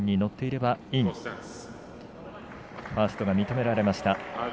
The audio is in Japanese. ファーストが認められました。